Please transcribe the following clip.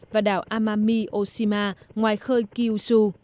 và đảo amami oshima ngoài khơi kyushu